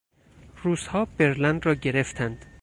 روسها برلن را گرفتند.